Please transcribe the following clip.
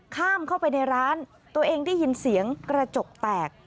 เข้าไปในร้านตัวเองได้ยินเสียงกระจกแตก